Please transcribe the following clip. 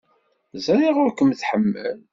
Ẓriɣ ur kem-tḥemmel.